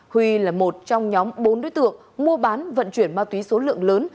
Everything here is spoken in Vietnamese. huy là một trong nhóm bốn đối tượng mua bán vận chuyển ma túy số lượng lớn